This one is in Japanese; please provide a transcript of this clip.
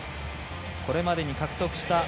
これまでに獲得した